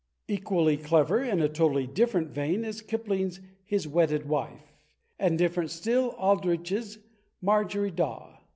Equally clever, in a totally different vein, is Kipling's "His Wedded Wife," and, different still, Aldrich's "Marjory Daw."